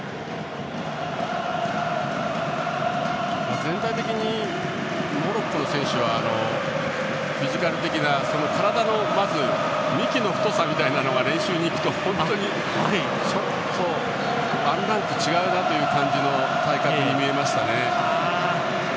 全体的にモロッコの選手はフィジカル的に体の幹の太さみたいなのが練習に行くと、本当にちょっとワンランク違うなという体格に見えましたね。